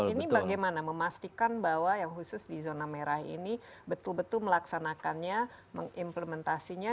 ini bagaimana memastikan bahwa yang khusus di zona merah ini betul betul melaksanakannya mengimplementasinya